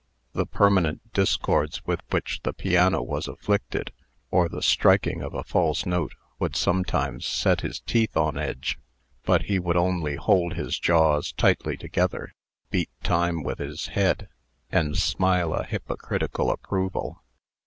The permanent discords with which the piano was afflicted, or the striking of a false note, would sometimes set his teeth on edge; but he would only hold his jaws tightly together, beat time with his head, and smile a hypocritical approval.